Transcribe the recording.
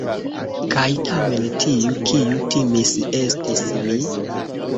Kaj tamen, tiu, kiu timis, estis mi.